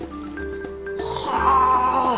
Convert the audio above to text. はあ！